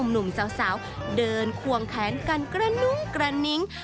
หนุ่มสาวเดินควงแขนกันกระนุ้งกระนิ้ง